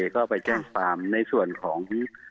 ก็ไปแจ้งความในส่วนของ